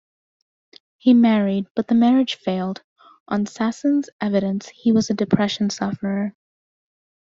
He married, but the marriage failed; on Sassoon's evidence he was a depression sufferer.